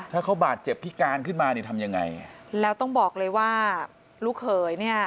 ถ้าเขาบาดเจ็บพิการขึ้นมานี่ทำยังไงแล้วต้องบอกเลยว่าลูกเขยเนี่ย